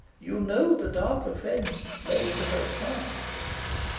You know the dark offence laid to her charge?"